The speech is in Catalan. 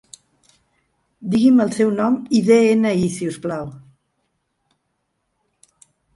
Digui'm el seu nom i de-ena-i si us plau.